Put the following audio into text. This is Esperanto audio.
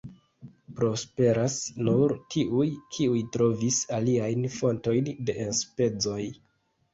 Prosperas nur tiuj, kiuj trovis aliajn fontojn de enspezoj.